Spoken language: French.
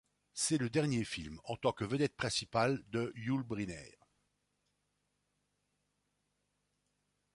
C'est le dernier film, en tant que vedette principale, de Yul Brynner.